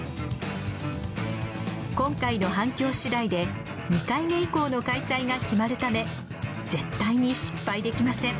今回の反響次第で２回目以降の開催が決まるため絶対に失敗できません。